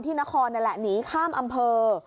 นครนี่แหละหนีข้ามอำเภอ